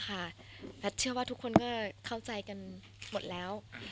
แพทย์เชื่อว่าทุกคนก็เข้าใจกันหมดแล้ว